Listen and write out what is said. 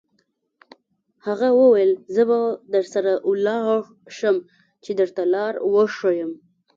هغه وویل: زه به درسره ولاړ شم، چې درته لار وښیم.